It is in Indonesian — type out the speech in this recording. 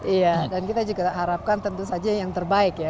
iya dan kita juga harapkan tentu saja yang terbaik ya